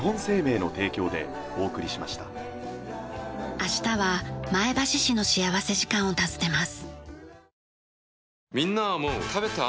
明日は前橋市の幸福時間を訪ねます。